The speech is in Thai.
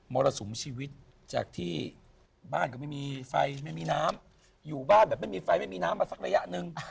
รสุมชีวิตจากที่บ้านก็ไม่มีไฟไม่มีน้ำอยู่บ้านแบบไม่มีไฟไม่มีน้ำมาสักระยะหนึ่ง